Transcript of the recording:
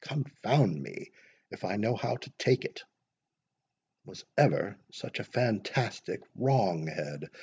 Confound me, if I know how to take it!" "Was ever such a fantastic wrong head!